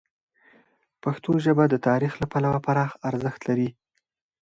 پښتو ژبه د تاریخ له پلوه پراخه ارزښت لري.